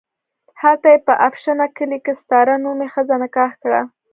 هلته یې په افشنه کلي کې ستاره نومې ښځه نکاح کړه.